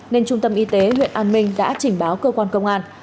nên trung tâm y tế huyện an minh đã trình báo cơ quan công an